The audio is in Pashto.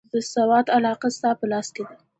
د سوات علاقه ستا په لاس کې ده.